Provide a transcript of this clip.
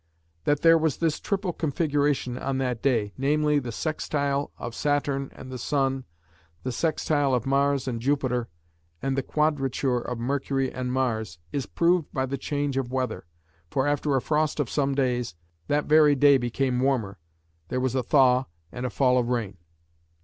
That there was this triple configuration on that day namely the sextile of Saturn and the Sun, the sextile of Mars and Jupiter, and the quadrature of Mercury and Mars, is proved by the change of weather; for after a frost of some days, that very day became warmer, there was a thaw and a fall of rain."